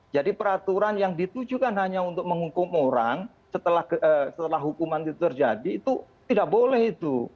jadi peraturan yang ditujukan hanya untuk menghukum orang setelah hukuman itu terjadi itu tidak boleh itu